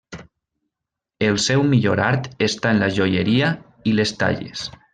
El seu millor art està en la joieria i les talles.